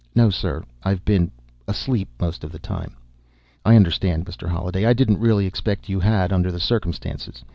"No, sir. I've been ... asleep most of the time." "I understand, Mr. Holliday. I didn't really expect you had under the circumstances.